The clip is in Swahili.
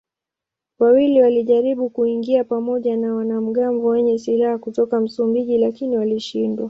Wawili walijaribu kuingia pamoja na wanamgambo wenye silaha kutoka Msumbiji lakini walishindwa.